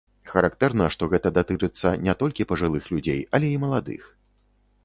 Характэрна, што гэта датычыцца не толькі пажылых людзей, але і маладых.